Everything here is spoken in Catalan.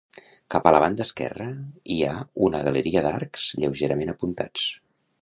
Cap a la banda esquerra hi ha una galeria d'arcs lleugerament apuntats.